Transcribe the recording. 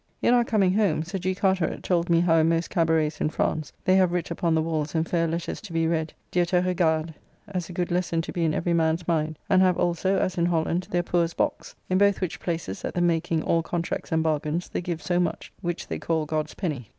In our coming home Sir G. Carteret told me how in most cabaretts in France they have writ upon the walls in fair letters to be read, "Dieu te regarde," as a good lesson to be in every man's mind, and have also, as in Holland, their poor's box; in both which places at the making all contracts and bargains they give so much, which they call God's penny.